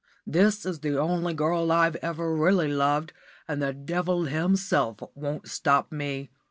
"This is the only girl I've ever really loved, and the Devil himself won't stop me.